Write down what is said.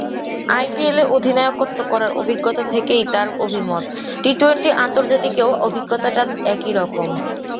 আইপিএলে অধিনায়কত্ব করার অভিজ্ঞতা থেকে তাঁর অভিমত, টি-টোয়েন্টি আন্তর্জাতিকেও অভিজ্ঞতাটা একই রকম।